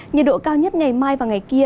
nhiệt độ cao nhất ngày mai và ngày kia